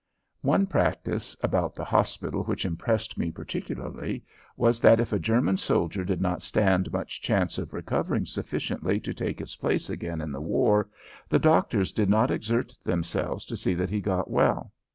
One practice about the hospital which impressed me particularly was that if a German soldier did not stand much chance of recovering sufficiently to take his place again in the war, the doctors did not exert themselves to see that he got well.